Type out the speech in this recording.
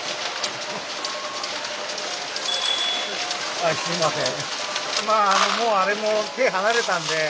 はいすみません。